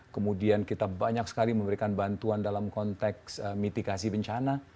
kemudian kita banyak sekali memberikan bantuan dalam konteks mitigasi bencana